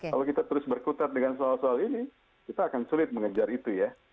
kalau kita terus berkutat dengan soal soal ini kita akan sulit mengejar itu ya